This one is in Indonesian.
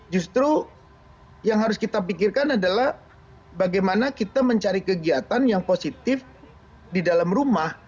justru yang harus kita pikirkan adalah bagaimana kita mencari kegiatan yang positif di dalam rumah